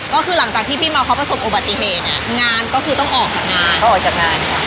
ก็คือหลังจากที่พี่มาเข้าประสบอุบัติเหตุเนี้ยงานก็คือต้องออกจากงาน